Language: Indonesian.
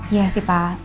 iya sih pak